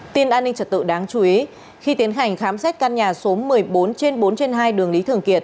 tin an ninh trật tự đáng chú ý khi tiến hành khám xét căn nhà số một mươi bốn trên bốn trên hai đường lý thường kiệt